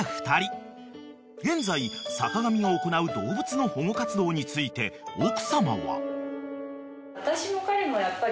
［現在坂上が行う動物の保護活動について奥様は］